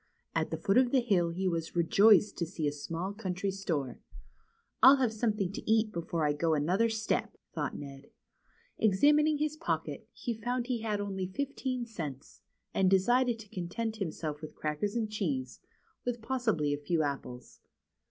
At the foot of the hill he was rejoiced to see a small country store. I'll have something to eat before I go another step," thought Ned. Examining his pocket, he found he had only fifteen cents, and decided to content himself with crackers and cheese, with possibly a few apples.